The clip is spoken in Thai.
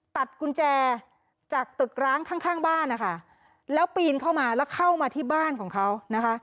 ตัดกุญแจจากตึกร้างข้างข้างบ้านนะคะแล้วปีนเข้ามาแล้วเข้ามาที่บ้านของเขานะคะ